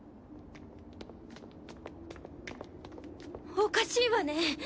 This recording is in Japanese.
おかしいわね。